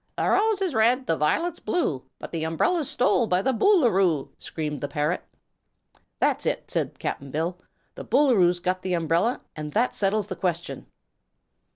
"The rose is red, the violet's blue, But the umbrel's stole by the Boo loo roo!" screamed the parrot. "That's it," said Cap'n Bill; "the Boolooroo's got the umbrel, an' that settles the question."